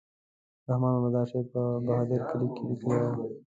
رحمان بابا دا شعر په بهادر کلي کې لیکلی و.